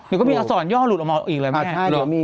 มันก็มีอัศวรรณย่อหลุดออกมาอีกเลยแม่